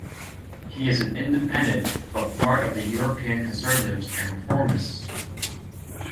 He is an Independent, but part of the European Conservatives and Reformists.